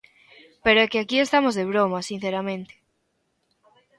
Pero é que aquí estamos de broma, sinceramente.